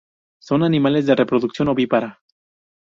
Son animales de reproducción ovípara.